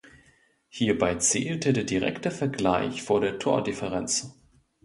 Hierbei zählte der direkte Vergleich vor der Tordifferenz.